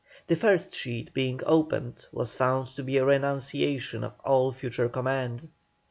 The first sheet being opened was found to be a renunciation of all future command.